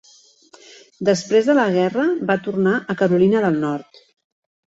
Després de la guerra va tornar a Carolina del Nord.